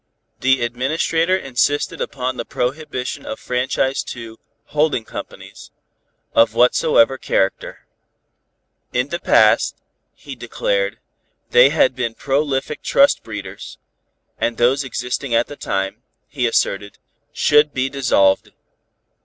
The Administrator insisted upon the prohibition of franchise to "holding companies" of whatsoever character. In the past, he declared, they had been prolific trust breeders, and those existing at that time, he asserted, should be dissolved.